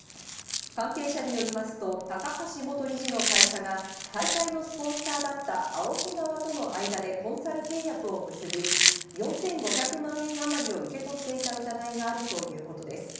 関係者によりますと、高橋元理事の会社が大会のスポンサーだったＡＯＫＩ側との間でコンサル契約を結び、４５００万円あまりを受け取っていた疑いがあるということです。